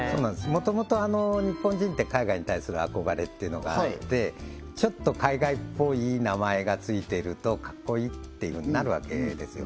もともと日本人って海外に対する憧れっていうのがあってちょっと海外っぽい名前が付いてるとかっこいいっていうふうになるわけですよ